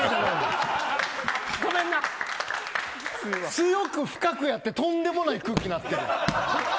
強く深くやってとんでもない空気になってる。